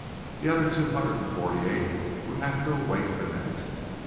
The other two hundred and forty eight would have to await the next.